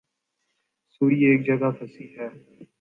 سوئی ایک جگہ پھنسی ہے۔